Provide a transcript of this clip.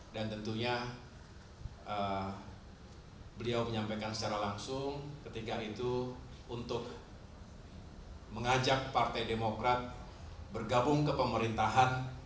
dan tentunya beliau menyampaikan secara langsung ketika itu untuk mengajak partai demokrat bergabung ke pemerintahan